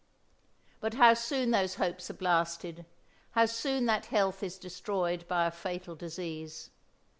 But how soon those hopes are blasted, how soon that health is destroyed by a fatal disease.